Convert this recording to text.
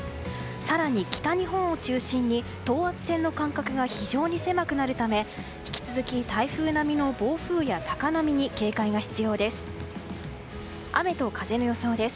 更に、北日本を中心に等圧線の間隔が非常に狭くなるため引き続き台風並みの暴風や高波に警戒が必要です。